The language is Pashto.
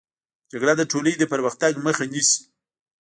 جګړه د ټولني د پرمختګ مخه نيسي.